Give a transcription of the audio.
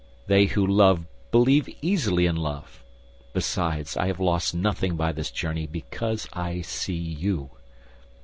They who love believe easily in love. Besides, I have lost nothing by this journey because I see you."